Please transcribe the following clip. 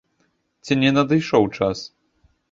Ці не надышоў час?